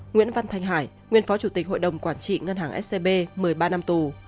nguyễn văn thanh hải nguyên phó chủ tịch hội đồng quản trị ngân hàng scb một mươi ba năm tù